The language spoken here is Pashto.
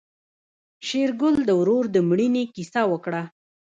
شېرګل د ورور د مړينې کيسه وکړه.